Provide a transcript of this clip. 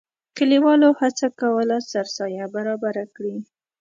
کلیوالو هڅه کوله سرسایه برابره کړي.